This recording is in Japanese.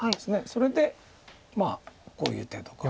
それでこういう手とか。